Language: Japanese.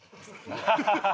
ハハハハ！